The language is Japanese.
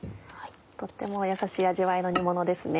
とってもやさしい味わいの煮ものですね。